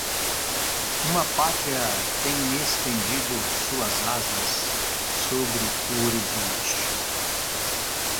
Uma Pátria tem estendido suas asas sobre o horizonte